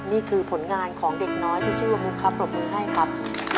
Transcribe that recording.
นี่คือผลงานของเด็กน้อยที่ชื่อว่ามุกครับปรบมือให้ครับ